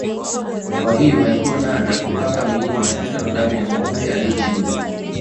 Kwa hiyo haikuwa nadra kupaka miili mafuta na damu ya Ngombe aliyechinjwa